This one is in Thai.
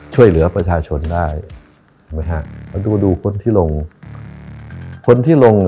ช่วยเหลือประชาชนได้ดูคนที่ลง